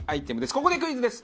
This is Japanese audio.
ここでクイズです。